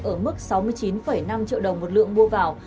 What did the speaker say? ở mức sáu mươi chín năm triệu đồng một lượng mua vào